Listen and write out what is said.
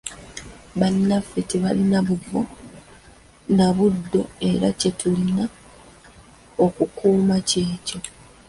Bannaffe tebalina buvo na buddo era kye tulina okukuuma kyekyo.